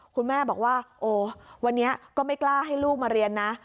คุณแม่บอกว่าโอ้วันนี้ก็ไม่กล้าให้ลูกมาเรียนนะ